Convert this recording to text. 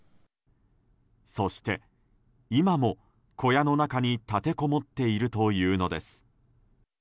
そして今も、小屋の中に立てこもっているというのです。